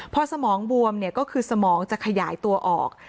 พอสมองบวมเนี่ยก็คือสมองจะขยายตัวออก